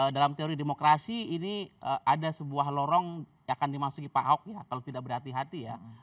dalam teori demokrasi ini ada sebuah lorong yang akan dimasuki pak ahok ya kalau tidak berhati hati ya